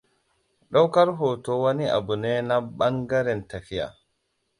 Ɗaukar hoto wani abune na ɓangaren tafiya.